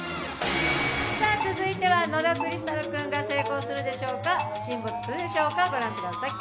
続いては野田クリスタル君が成功するでしょうか沈没するのでしょうか、御覧ください。